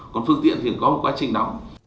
còn phương tiện thì có quá trình đó